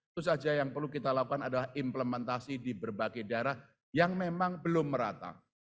itu saja yang perlu kita lakukan adalah implementasi di berbagai daerah yang memang belum merata